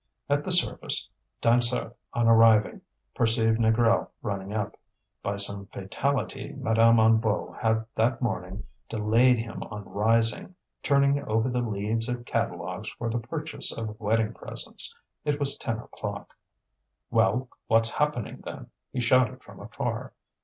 At the surface, Dansaert, on arriving, perceived Négrel running up. By some fatality, Madame Hennebeau had that morning delayed him on rising, turning over the leaves of catalogues for the purchase of wedding presents. It was ten o'clock. "Well! what's happening, then?" he shouted from afar.